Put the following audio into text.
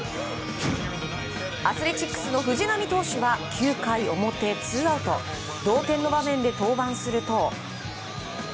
アスレチックスの藤浪投手は９回表ツーアウト同点の場面で登板すると。